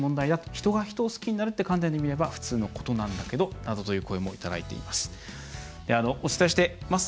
人が人を好きになるって観点で見れば普通のことなんだけどという声もいただいております。